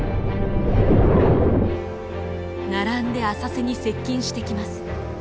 並んで浅瀬に接近してきます。